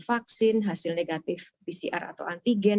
vaksin hasil negatif pcr atau antigen